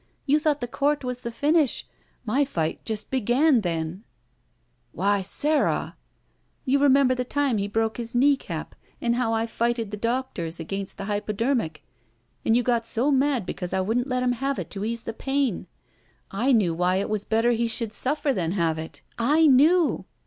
You thought the court was the finish. My fight just began then!" 237 ROULETTE •*Why, Sara!" ''You remember the time he broke his kneecap and how I fighted the doctors against the hyx)oder mic and you got so mad because I wouldn't let h^rn have it to ease the pain. I knew why it was better he should suffer than have it. I knew!